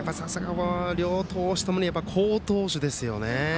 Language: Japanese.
両投手とも好投手ですよね。